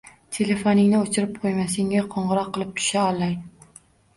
Telefoningni o‘chirib qo‘yma, senga qo‘ngg‘iroq qilib tusha olay.